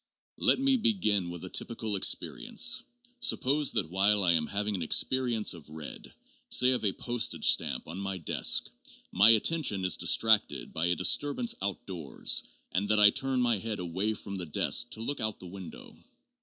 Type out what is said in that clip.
Let me begin with a typical experience. Suppose that while I am having an experience of red, say of a postage stamp on my desk, my attention is distracted by a disturbance outdoors and that I turn my head away from the desk to look out of the window.